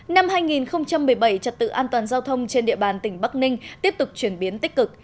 năm hai nghìn một mươi bảy trật tự an toàn giao thông trên địa bàn tỉnh bắc ninh tiếp tục chuyển biến tích cực